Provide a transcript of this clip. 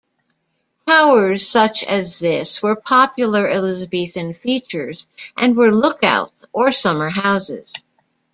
Towers such as this were popular Elizabethan features and were lookouts or summer houses.